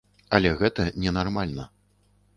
Але гэта не нармальна.